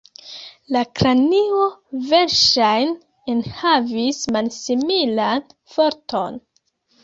La kranio verŝajne enhavis man-similan forton.